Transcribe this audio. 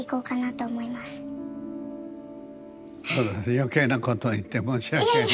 余計なことを言って申し訳ありません。